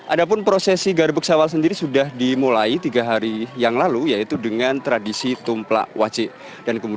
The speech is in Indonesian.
ada pun prosesi garbuk syawal sendiri sudah dimulai tiga hari yang lalu yaitu dengan tradisi tumplak waci